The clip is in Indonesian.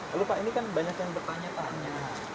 lalu pak ini kan banyak yang bertanya tanya